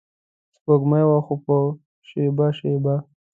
سپوږمۍ وه خو په شیبه شیبه